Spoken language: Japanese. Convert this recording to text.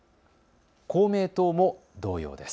公明党も同様です。